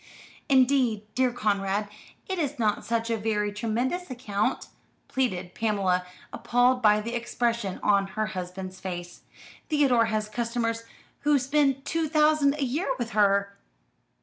"Indeed, dear Conrad, it is not such a very tremendous account," pleaded Pamela, appalled by the expression of her husband's face. "Theodore has customers who spend two thousand a year with her."